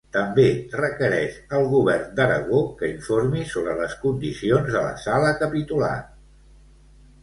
També requereix al Govern d'Aragó que informi sobre les condicions de la sala capitular.